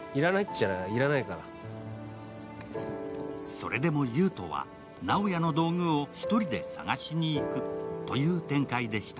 それでも優斗は直哉の道具を１人で探しにいくという展開でした。